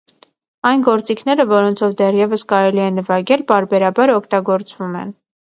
Այն գործիքները, որոնցով դեռևս կարելի է նվագել, պարբերաբար օգտագործվում են։